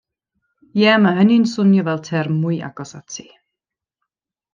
Ie mae hynny'n swnio fel term mwy agos ati.